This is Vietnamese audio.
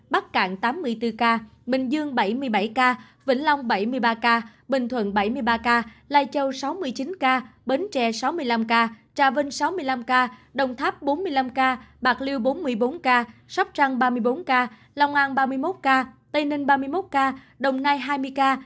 bắc cạn tám mươi bốn ca bình dương bảy mươi bảy ca vĩnh long bảy mươi ba ca bình thuận bảy mươi ba ca lai châu sáu mươi chín ca bến tre sáu mươi năm ca trà vinh sáu mươi năm ca đồng tháp bốn mươi năm ca bạc liêu bốn mươi bốn ca sóc trăng ba mươi bốn ca long an ba mươi một ca tây ninh ba mươi một ca đồng nai hai mươi ca